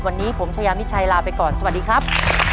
วันนี้ผมชายามิชัยลาไปก่อนสวัสดีครับ